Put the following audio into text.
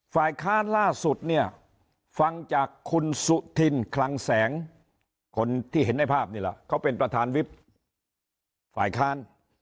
ฝ่ายค้านล่าสุดเนี่ยฟังจากคุณสุธินคลังแสงคนที่เห็นในภาพนี่แหละเขาเป็นประธานวิบฝ่ายค้าน